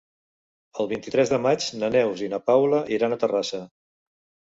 El vint-i-tres de maig na Neus i na Paula iran a Terrassa.